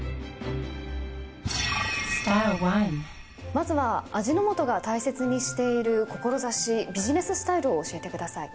まずは味の素が大切にしている志ビジネススタイルを教えてください。